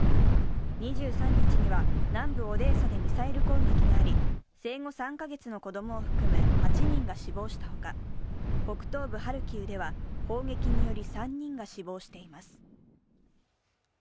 ２３日には、南部オデーサでミサイル攻撃があり、生後３カ月の子供を含む８人が死亡した他、北東部ハルキウでは砲撃により３人が死亡しています。